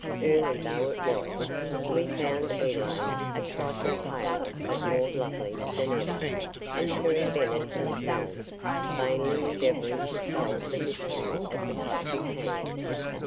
Early though it was, we found Elaine, a trifle paler but more lovely than ever, and Perry Bennett themselves vainly endeavoring to solve the mystery of the Clutching Hand.